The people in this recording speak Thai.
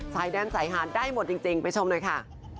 ใส่แดนใส่หาดได้หมดจริงไปชมด้วยค่ะ